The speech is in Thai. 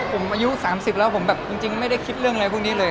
ผมอายุ๓๐แล้วผมแบบจริงไม่ได้คิดเรื่องอะไรพวกนี้เลย